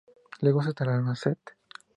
Luego se trasladaron a St.